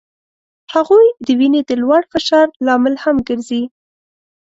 هغوی د وینې د لوړ فشار لامل هم ګرځي.